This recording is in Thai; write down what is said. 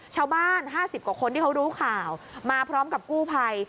ชาวบ้าน๕๐กว่าคนที่เขารู้ข่าวมาพร้อมกับกู้ไพร